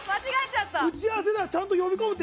打ち合わせではちゃんと呼び込むって。